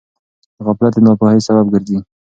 غفلت د ناپوهۍ سبب ګرځي.